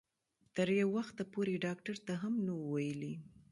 تر یو وخته پورې یې ډاکټر ته هم نه وو ویلي.